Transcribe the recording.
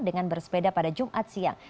dengan bersepeda pada jumat siang